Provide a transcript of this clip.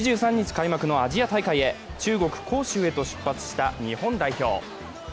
開幕のアジア大会へ、中国・杭州へと出発した日本代表。